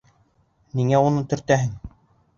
Ниңә уны төртәһең?